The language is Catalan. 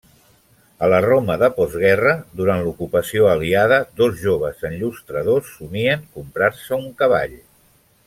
A la Roma de postguerra, durant l'ocupació aliada, dos joves enllustradors somien comprar-se un cavall.